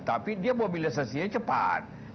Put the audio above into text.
tapi mobilisasinya cepat